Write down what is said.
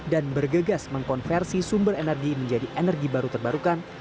dan bergegas mengkonversi sumber energi menjadi energi baru terbarukan